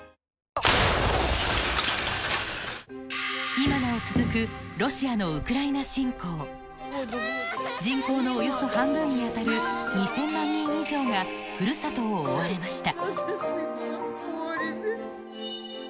今なお続くロシアの人口のおよそ半分に当たる２０００万人以上がふるさとを追われました